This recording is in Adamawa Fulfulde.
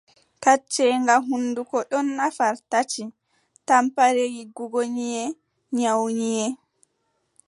Kacceenga hunnduko oɗn nafar tati: tampere yiggugo nyiiʼe, nyawu nyiiʼe,